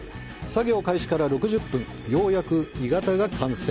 作業開始から６０分、ようやく鋳型が完成。